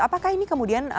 apakah ini kemudian